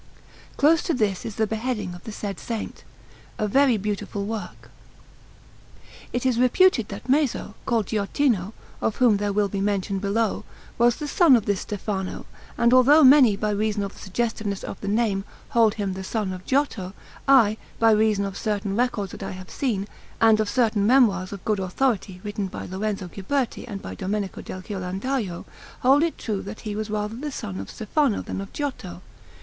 Close to this is the beheading of the said Saint, a very beautiful work. It is reputed that Maso, called Giottino, of whom there will be mention below, was the son of this Stefano; and although many, by reason of the suggestiveness of the name, hold him the son of Giotto, I, by reason of certain records that I have seen, and of certain memoirs of good authority written by Lorenzo Ghiberti and by Domenico del Ghirlandajo, hold it as true that he was rather the son of Stefano than of Giotto.